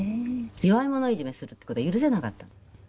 弱い者いじめするっていう事が許せなかったの。